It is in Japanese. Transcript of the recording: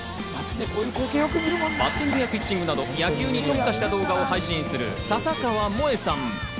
バッティングやピッチングなど野球に特化した動画を配信する笹川萌さん。